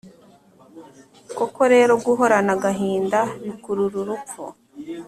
Koko rero guhorana agahinda bikurura urupfu,